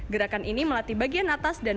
gerakan ini melatih bagian atas dan